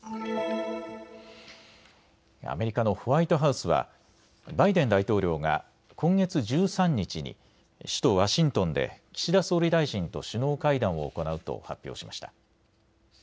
アメリカのホワイトハウスはバイデン大統領が今月１３日に首都ワシントンで岸田総理大臣と首脳会談を行うと発表しました。